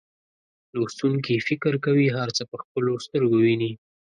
لوستونکي فکر کوي هر څه په خپلو سترګو ویني.